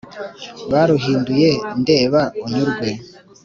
Baruhinduye ndeba unyurwe